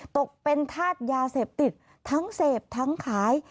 ตกเป็นธาตุยาเสพติดทั้งเสพทั้งขาย